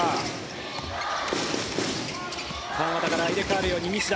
川真田から入れ替わるように西田。